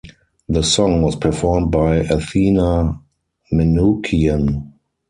The song was performed by Athena Manoukian.